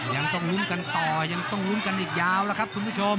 ยังต้องลุ้นกันต่อยังต้องลุ้นกันอีกยาวแล้วครับคุณผู้ชม